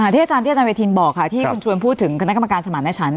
ที่อาจารย์เวทีนบอกที่คุณชวนพูดถึงคณะกรรมการสมัครด้านชั้น